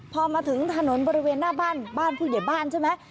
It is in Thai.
พอมาถึงถนนบริเวณหน้าบ้านบ้านผู้ใหญ่บ้านใช่ไหม